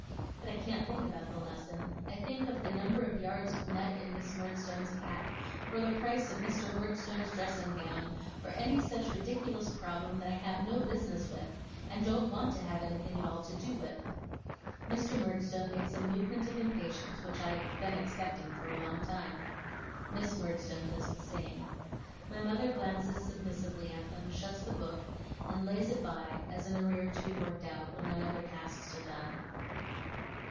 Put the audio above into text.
But I can't think about the lesson. I think of the number of yards of net in Miss Murdstone's cap, or of the price of Mr. Murdstone's dressing gown, or any such ridiculous problem that I have no business with, and don't want to have anything at all to do with. Mr. Murdstone makes a movement of impatience which I have been expecting for a long time. Miss Murdstone does the same. My mother glances submissively at them, shuts the book, and lays it by as an arrear to be worked out when my other tasks are done.